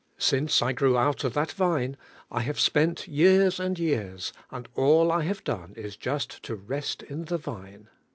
Since I grew nut of tlnil vine 1 have spent years and years, and all I have done is just lo rest in the viae.